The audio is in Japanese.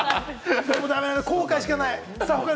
後悔しかない。